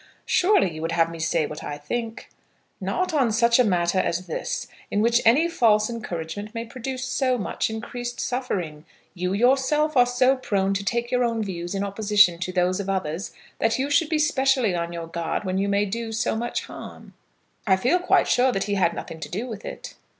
"Surely you would have me say what I think?" "Not on such a matter as this, in which any false encouragement may produce so much increased suffering. You, yourself, are so prone to take your own views in opposition to those of others that you should be specially on your guard when you may do so much harm." "I feel quite sure that he had nothing to do with it."